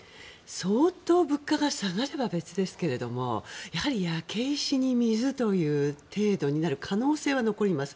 相当物価が下がれば別ですが焼け石に水という程度になる可能性は残ります。